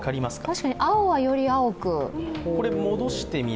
確かに、青はより青く。